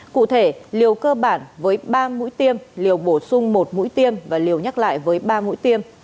cụ thể liều cơ bản với ba mũi tiêm liều bổ sung một mũi tiêm và liều nhắc lại với ba mũi tiêm